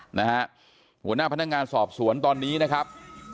หัวหน้าพนักงานสอบสวนตอนนี้นะครับ